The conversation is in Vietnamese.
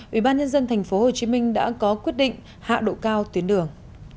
ubnd tp hcm đã có quyết định hạ độ cao tuyến đường